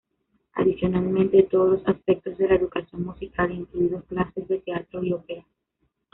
Adicionalmente, todos los aspectos de la educación musical incluidos clases de teatro y ópera.